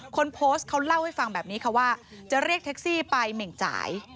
คนโพสต์เขาเล่าให้ฟังแบบนี้ค่ะว่าจะเรียกแท็กซี่ไปเหม่งจ่าย